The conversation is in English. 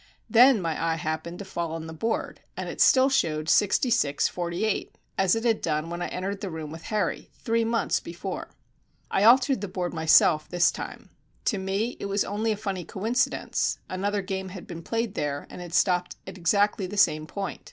Then my eye happened to fall on the board, and it still showed sixty six forty eight, as it had done when I entered the room with Harry three months before. I altered the board myself this time. To me it was only a funny coincidence; another game had been played there and had stopped exactly at the same point.